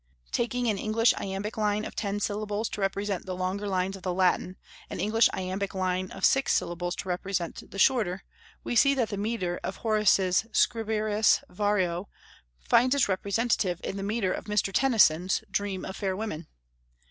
Taking an English iambic line of ten syllables to represent the longer lines of the Latin, an English iambic line of six syllables to represent the shorter, we see that the metre of Horace's "Scriberis Vario" finds its representative in the metre of Mr. Tennyson's "Dream of Fair Women."